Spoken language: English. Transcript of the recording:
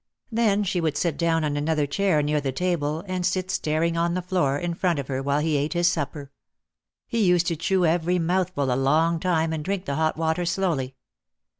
Then she would sit down on another chair near the table and sit staring on the floor in front of her while he ate his supper. He used to chew every mouthful a long time and drink the hot water slowly.